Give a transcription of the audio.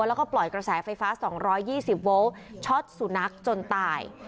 แล้วก็ปล่อยกระแสไฟฟ้า๒๒๐โวลต์ช็อตสุนัขจนตาย